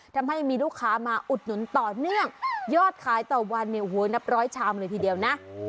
ทำให้มีลูกค้ามาอุดหนุนต่อเนื่องยอดขายต่อวันเนี่ยโอ้โหนับร้อยชามเลยทีเดียวนะ